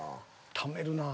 ためるなぁ。